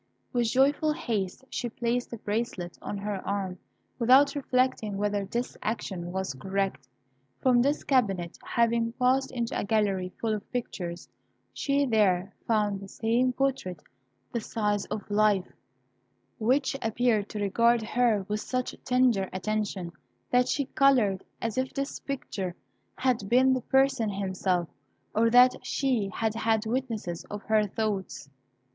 With joyful haste she placed the bracelet on her arm, without reflecting whether this action was correct. From this cabinet, having passed into a gallery full of pictures, she there found the same portrait the size of life, which appeared to regard her with such tender attention, that she coloured, as if this picture had been the person himself; or that she had had witnesses of her thoughts.